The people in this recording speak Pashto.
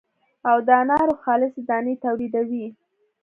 او د انارو خالصې دانې تولیدوي.